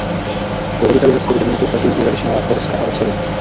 Po revitalizaci bude dominantou stavby zavěšená lávka ze skla a oceli.